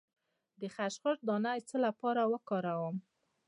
د خشخاش دانه د څه لپاره وکاروم؟